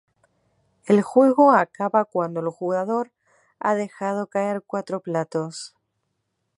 El juego acaba cuando el jugador ha dejado caer cuatro platos.